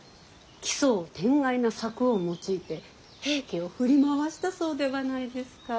奇想天外な策を用いて平家を振り回したそうではないですか。